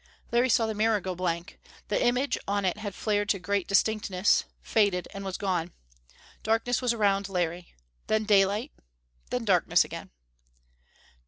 Larry saw the mirror go blank. The image on it had flared to great distinctness, faded, and was gone. Darkness was around Larry. Then daylight. Then darkness again.